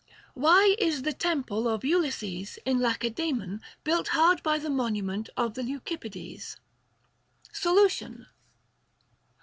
Why is the temple of Ulysses in Lacedaemon built hard by the monument of the Leucip pides 1 Solution.